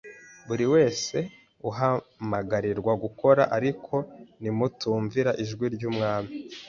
Buri wese ahamagarirwa gukora. Ariko nimutumvira ijwi ry’Umwami,